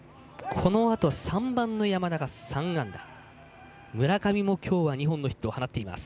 このあと３番の山田が３安打、村上はきょうも２本ヒットを放っています。